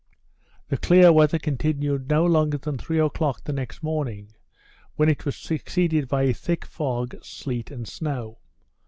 The clear weather continued no longer than three o'clock the next morning, when it was succeeded by a thick fog, sleet, and snow.